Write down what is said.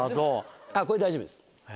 これで大丈夫です。